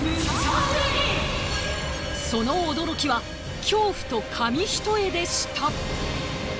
その驚きは恐怖と紙一重でした！